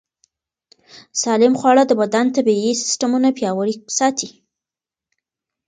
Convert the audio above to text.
سالم خواړه د بدن طبیعي سیستمونه پیاوړي ساتي.